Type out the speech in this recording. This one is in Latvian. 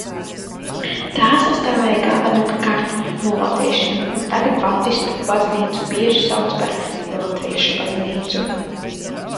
"Tā sastāvēja galvenokārt no latviešiem un tagad baptistu baznīcu bieži sauc par "latviešu baznīcu"."